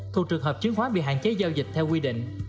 thuộc trường hợp chiến khoán bị hạn chế giao dịch theo quy định